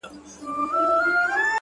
قربانو مخه دي ښه؛